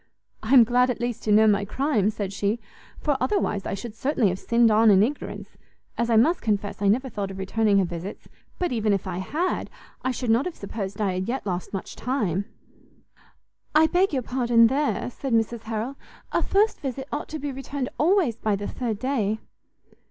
"I am glad, at least, to know my crime," said she, "for otherwise I should certainly have sinned on in ignorance, as I must confess I never thought of returning her visits: but even if I had, I should not have supposed I had yet lost much time." "I beg your pardon there," said Mrs Harrel; "a first visit ought to be returned always by the third day."